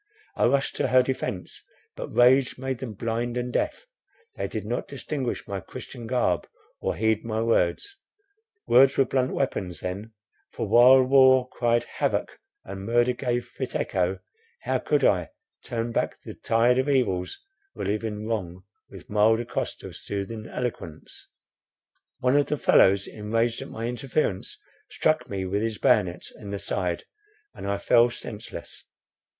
I rushed to her defence, but rage made them blind and deaf; they did not distinguish my Christian garb or heed my words—words were blunt weapons then, for while war cried "havoc," and murder gave fit echo, how could I— Turn back the tide of ills, relieving wrong With mild accost of soothing eloquence? One of the fellows, enraged at my interference, struck me with his bayonet in the side, and I fell senseless.